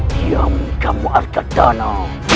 diam kamu arkadana